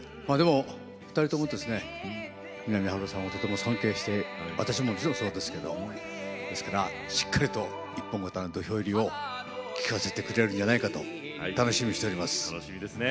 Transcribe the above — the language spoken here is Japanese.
２人とも三波春夫さんをとても尊敬して私も、もちろんそうですけどですから、しっかりと立派な「一本刀土俵入り」を聴かせてくれるんじゃないかと楽しみにしています。